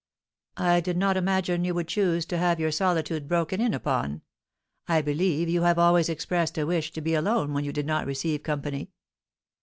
"I did not imagine you would choose to have your solitude broken in upon. I believe you have always expressed a wish to be alone when you did not receive company?"